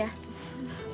gak tau nih mbak